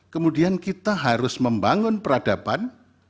kemudian kita harus membangun peradaban